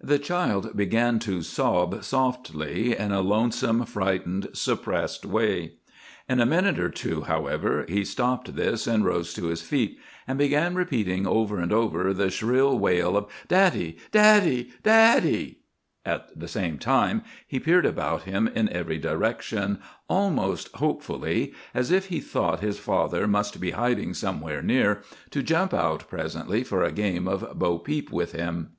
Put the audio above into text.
The child began to sob softly, in a lonesome, frightened, suppressed way. In a minute or two, however, he stopped this, and rose to his feet, and began repeating over and over the shrill wail of "Daddy, Dad dee ee, Daddee ee!" At the same time he peered about him in every direction, almost hopefully, as if he thought his father must be hiding somewhere near, to jump out presently for a game of bo peep with him.